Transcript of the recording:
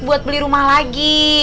buat beli rumah lagi